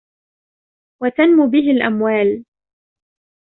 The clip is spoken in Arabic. وَتَنْمُو بِهِ الْأَمْوَالُ